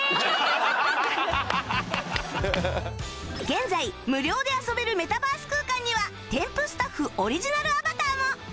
現在無料で遊べるメタバース空間にはテンプスタッフオリジナルアバターも！